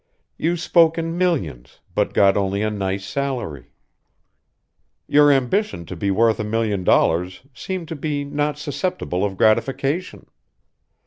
You spoke in millions, but got only a nice salary. Your ambition to be worth a million dollars seemed to be not susceptible of gratification.